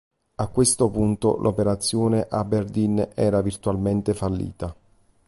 A questo punto l'operazione Aberdeen era virtualmente fallita.